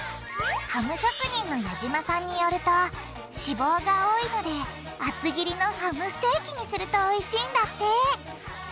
ハム職人の矢島さんによると脂肪が多いので厚切りのハムステーキにするとおいしいんだって。